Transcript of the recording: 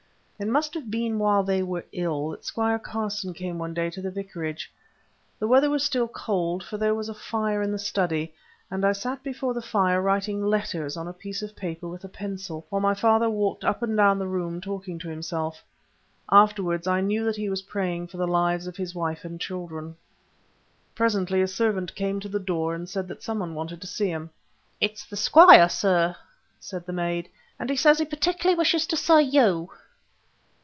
It must have been while they were ill that Squire Carson came one day to the vicarage. The weather was still cold, for there was a fire in the study, and I sat before the fire writing letters on a piece of paper with a pencil, while my father walked up and down the room talking to himself. Afterwards I knew that he was praying for the lives of his wife and children. Presently a servant came to the door and said that some one wanted to see him. "It is the squire, sir," said the maid, "and he says he particularly wishes to see you."